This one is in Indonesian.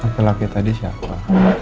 laki laki tadi siapa